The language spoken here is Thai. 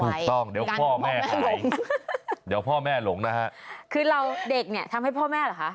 ถูกต้องเดี๋ยวพ่อแม่หายเดี๋ยวพ่อแม่หลงนะฮะคือเราเด็กเนี่ยทำให้พ่อแม่เหรอคะ